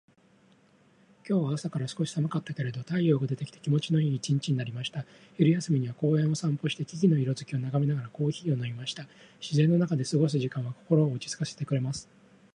今日は朝から少し寒かったけれど、太陽が出てきて気持ちのいい一日になりました。昼休みには公園を散歩して、木々の色づきを眺めながらコーヒーを飲みました。自然の中で過ごす時間は心を落ち着かせてくれます。